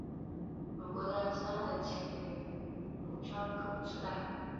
鲁国的三桓起于鲁庄公时代。